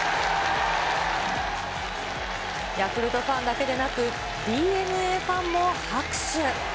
ヤクルトファンだけでなく、ＤｅＮＡファンも拍手。